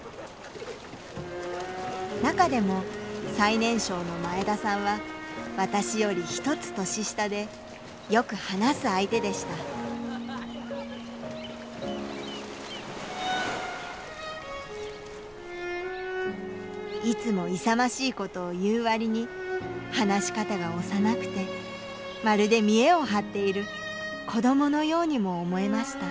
中でも最年少の前田さんは私より１つ年下でよく話す相手でしたいつも勇ましいことを言う割に話し方が幼くてまるで見えを張っている子どものようにも思えました